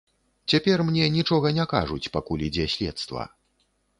Цяпер мне нічога не кажуць, пакуль ідзе следства.